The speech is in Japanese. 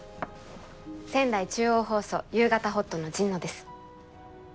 仙台中央放送「夕方ほっと」の神野です。